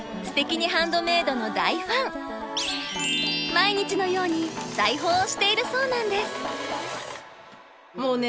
毎日のように裁縫をしているそうなんです。